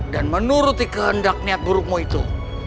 dan menuruti kehendak niat burukmu itu